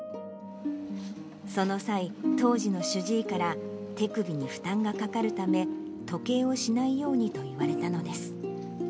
その際、当時の主治医から手首に負担がかかるため、時計をしないようにと言われたのです。